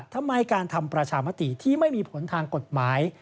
ทำไมการทำประชามติที่ไม่มีผลทางกฎหมาย